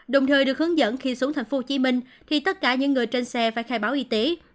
đồng thời được hướng dẫn khi xuống thành phố hồ chí minh thì tất cả những người trên xe phải khai báo y tế